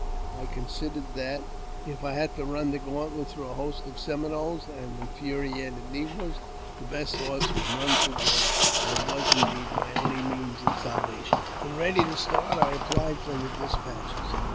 I considered that, if I had to run the gauntlet through a host of Seminoles and infuriated negroes, the best horse was none too good, and was, indeed, my only means of salvation. When ready to start, I applied for the despatches.